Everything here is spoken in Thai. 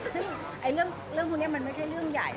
ซึ่งเรื่องพวกนี้มันไม่ใช่เรื่องใหญ่